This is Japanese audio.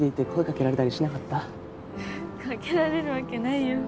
掛けられるわけないよ